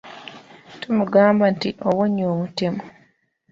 Tumugamba nti, owonye omutemu!